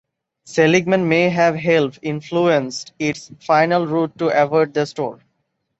Seligman may have helped influenced its final route to avoid the store.